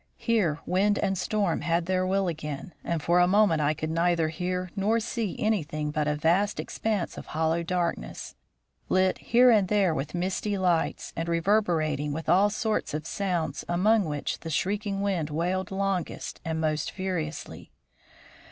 Here wind and storm had their will again, and for a moment I could neither hear nor see anything but a vast expanse of hollow darkness, lit here and there with misty lights, and reverberating with all sorts of sounds, among which the shrieking wind wailed longest and most furiously.